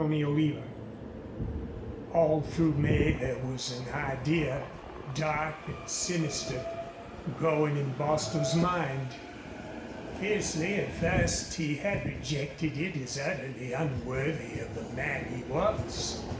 CHAPTER XI All through May there was an idea, dark and sinister, growing in Bostil's mind. Fiercely at first he had rejected it as utterly unworthy of the man he was.